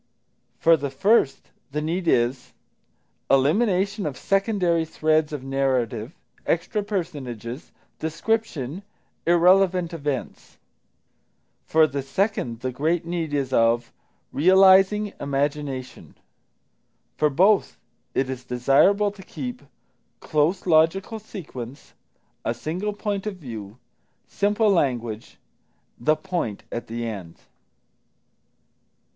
For the first, the need is Elimination of secondary threads of narrative, extra personages, description, irrelevant events. For the second, the great need is of Realising Imagination. For both, it is desirable to keep Close Logical Sequence, A Single Point of View, Simple Language, _The Point at the End.